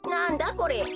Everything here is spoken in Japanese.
これ。